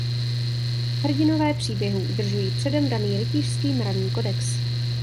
Hrdinové příběhů udržují předem daný rytířský mravní kodex.